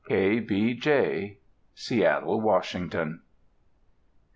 K. B. J. _Seattle, Washington.